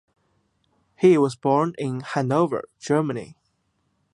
He was born in Hanover, Germany.